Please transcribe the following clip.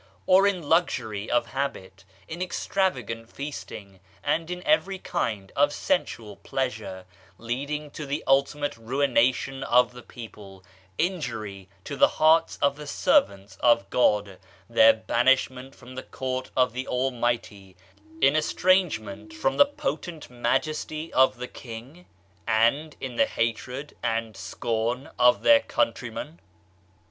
Or, in luxury of habit, in extravagant feasting, and in every kind of sensual pleasure, leading to the ultimate ruination of the people; injury to the hearts of the servants of God; their banishment from the Court of the Almighty ; in estrangement from the potent majesty of the king; and in the hatred and scorn of their country men?